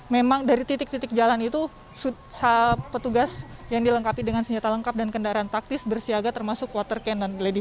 memang dari titik titik jalan itu petugas yang dilengkapi dengan senjata lengkap dan kendaraan taktis bersiaga termasuk water cannondy